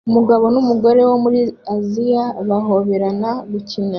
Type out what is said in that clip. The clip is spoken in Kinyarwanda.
Umugabo numugore wo muri Aziya bahoberana gukina